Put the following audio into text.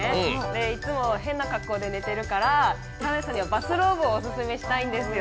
いつも変な格好で寝てるから田辺さんにはバスローブをオススメしたいんですよ。